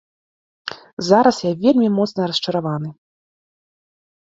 Зараз я вельмі моцна расчараваны.